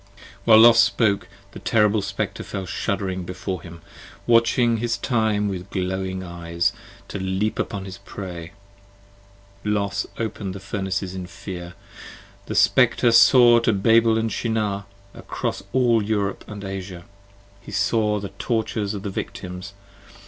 While Los spoke, the terrible Spectre fell shudd'ring before him Watching his time with glowing eyes to leap upon his prey. Los open'd the Furnaces in fear, the Spectre saw to Babel & Shinar Across all Europe & Asia, he saw the tortures of the Victims.